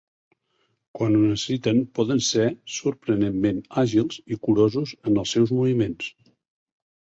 Quan ho necessiten, poden ser sorprenentment àgils i curosos en els seus moviments.